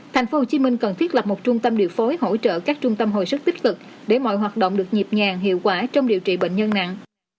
tp hcm cần thiết lập một trung tâm điều phối hỗ trợ các trung tâm hồi sức tích cực để mọi hoạt động được nhịp nhàng hiệu quả trong điều trị bệnh nhân nặng